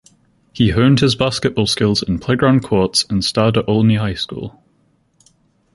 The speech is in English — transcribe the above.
He honed his basketball skills in playground courts and starred at Olney High School.